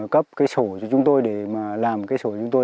cấp cái sổ cho chúng tôi để mà làm cái sổ chúng tôi